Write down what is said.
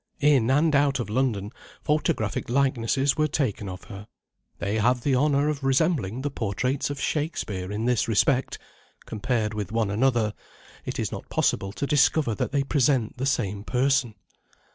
In and out of London, photographic likenesses were taken of her. They have the honour of resembling the portraits of Shakespeare in this respect compared with one another, it is not possible to discover that they present the same person.